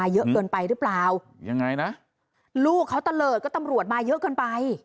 เยอะเกินไปหรือเปล่ายังไงนะลูกเขาตะเลิศก็ตำรวจมาเยอะเกินไป